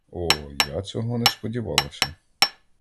О, я цього не сподівалася.